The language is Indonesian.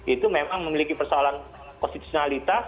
itu memang memiliki persoalan konstitusionalitas